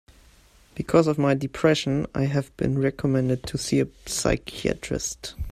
Because of my depression, I have been recommended to see a psychiatrist.